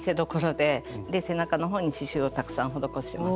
で背中の方に刺しゅうをたくさん施します。